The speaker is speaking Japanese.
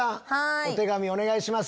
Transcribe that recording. お手紙お願いします。